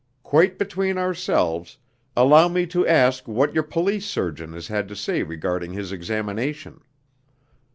Quite between ourselves, allow me to ask what your police surgeon has had to say regarding his examination?"